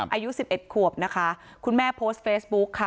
อายุ๑๑ขวบนะคะคุณแม่โพสต์เฟซบุ๊คค่ะ